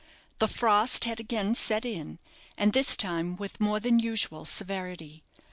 The frost had again set in, and this time with more than usual severity.